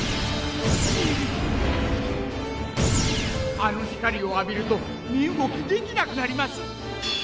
あの光を浴びると身動きできなくなります！